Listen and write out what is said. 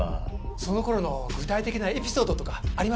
その頃の具体的なエピソードとかあります？